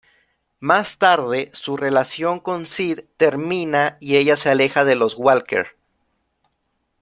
Más tarde su relación con Sid termina y ella se aleja de los Walker.